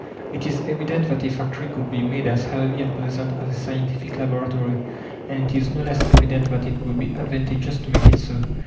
It is evident that a factory could be made as healthy and pleasant as a scientific laboratory. And it is no less evident that it would be advantageous to make it so.